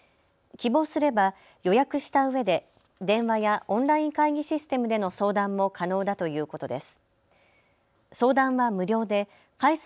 希望すれば予約したうえで電話やオンライン会議システムでの相談も可能だということです。